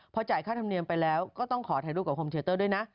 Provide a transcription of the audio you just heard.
พอจ่ายค่าธรรมเนียมไปแล้วก็ต้องขอถ่ายรูปกับคอมเทลเตอร์ด้วยนะ